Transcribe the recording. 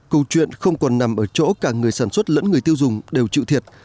câu chuyện không còn nằm ở chỗ cả người sản xuất lẫn người tiêu dùng đều chịu thiệt